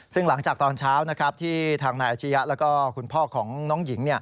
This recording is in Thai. ซึ่งหลังจากตอนเช้าที่ทางนายอาชียะแล้วก็คุณพ่อของน้องหญิง